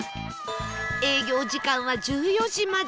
営業時間は１４時まで